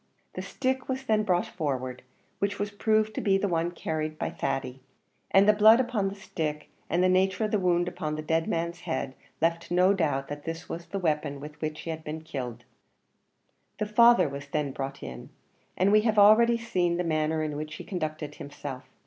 The stick was then brought forward, which was proved to be the one usually carried by Thady; and the blood upon the stick, and the nature of the wound upon the dead man's head, left no doubt that this was the weapon with which he had been killed. The father was then brought in, and we have already seen the manner in which he conducted himself.